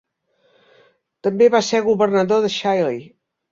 També va ser governador de Scilly.